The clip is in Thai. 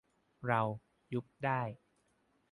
เรา ยุบได้